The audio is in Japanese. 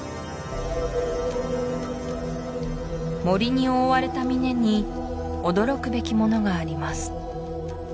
森に覆われた峰に驚くべきものがあります